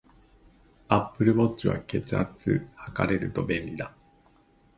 アップルウォッチは、血圧測れると便利だ